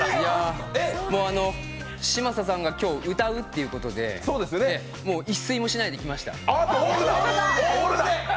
嶋佐さんが今日歌うということで一睡もしないで来ました。